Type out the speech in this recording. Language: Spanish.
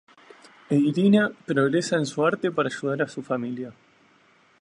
E Irina, progresa en su arte para ayudar a su familia.